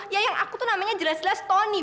ya yang aku tuh namanya jelas jelas tony